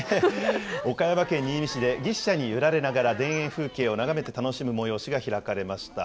岡山県新見市でぎっしゃに揺られながら田園風景を眺めて楽しむ催しが開かれました。